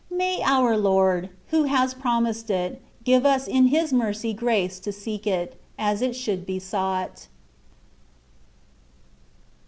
May our Lord, who has promised it, give us in His mercy grace to seek it, as it should be sought.